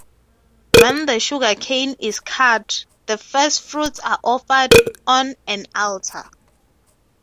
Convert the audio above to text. When the sugarcane is cut, the first-fruits are offered on an altar.